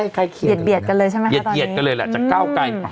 ใกล้เกลียดเบียดกันเลยใช่ไหมครับตอนนี้เย็ดเบียดกันเลยแหละจากเก้าไกล